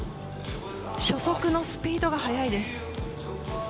初速のスピードが速いです。